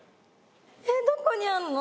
えっどこにあんの？